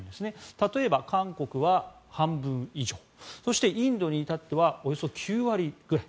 例えば、韓国は半分以上そしてインドに至ってはおよそ９割ぐらい。